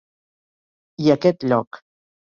I aquest lloc.